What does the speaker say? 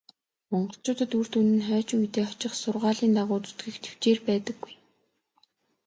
Монголчуудад үр дүн нь хойч үедээ очих сургаалын дагуу зүтгэх тэвчээр байдаггүй.